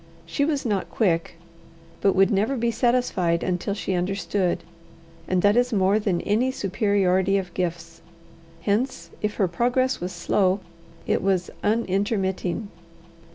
She was not quick, but would never be satisfied until she understood, and that is more than any superiority of gifts. Hence, if her progress was slow, it was unintermitting.